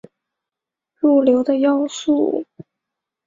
能够入流的要素。